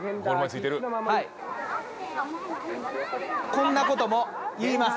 こんなことも言います。